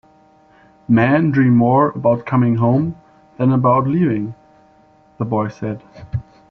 "Men dream more about coming home than about leaving," the boy said.